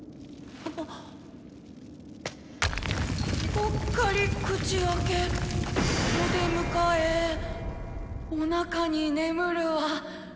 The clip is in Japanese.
「ぽっかり口開け」「おでむかえ」「おなかに眠るは」